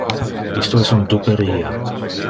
Isto es un duperia.